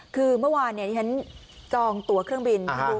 คือเมื่อวานที่ฉันจองตัวเครื่องบิน